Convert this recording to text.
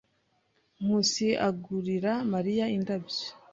Nkusi agurira Mariya indabyo.